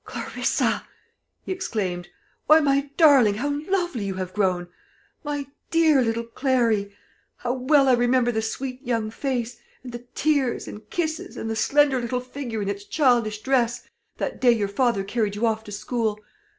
"Clarissa!" he exclaimed; "why, my darling, how lovely you have grown! My dear little Clary! How well I remember the sweet young face, and the tears, and kisses, and the slender little figure in its childish dress, that day your father carried you off to school!